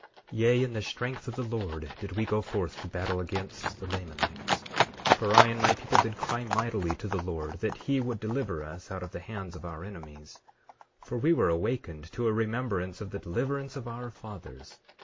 9:17 Yea, in the strength of the Lord did we go forth to battle against the Lamanites; for I and my people did cry mightily to the Lord that he would deliver us out of the hands of our enemies, for we were awakened to a remembrance of the deliverance of our fathers.